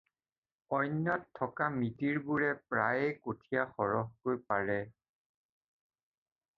অন্যত থকা মিতিৰবোৰে প্ৰায়েই কঠীয়া সৰহকৈ পাৰে।